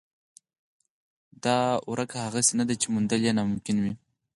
دا ورکه هغسې نه ده چې موندل یې ناممکن وي.